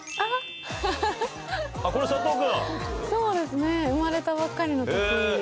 そうですね生まれたばっかりの時。